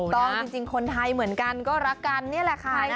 จริงคนไทยเหมือนกันก็รักกันนี่แหละค่ะ